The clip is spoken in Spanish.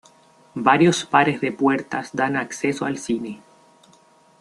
Varios pares de puertas dan acceso al cine.